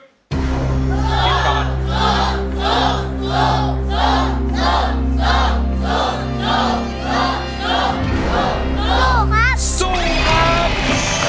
สู้ครับสู้ครับ